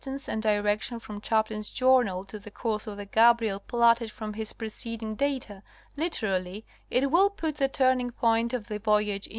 If we apply the distance and direction from Chaplin's journal to the course of the Gabriel platted from his preceding data, literally, it will put the turning point of the voyage in N.